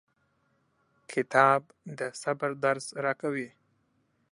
کتاب د صبر درس راکوي.